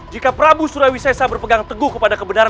jika prabu surawi sesa berpegang teguh kepada raja surakerta